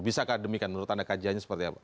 bisa kah demikian menurut anda kajiannya seperti apa